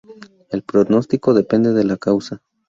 El pronóstico depende de la causa.